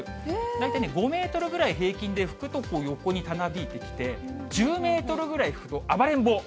大体５メートルぐらい平均で吹くと、横にたなびいてきて、１０メートルぐらい吹くと暴れん坊。